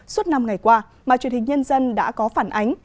suốt năm ngày qua mà truyền hình nhân dân đã có phản ánh